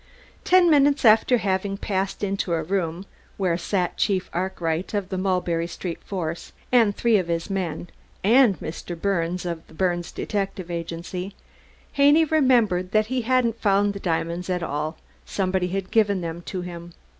Ten minutes after having passed into a room where sat Chief Arkwright, of the Mulberry Street force, and three of his men, and Steven Birnes, of the Birnes Detective Agency, Haney remembered that he hadn't found the diamonds at all somebody had given them to him.